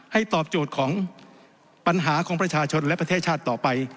ตอบโจทย์ของปัญหาของประชาชนและประเทศชาติต่อไป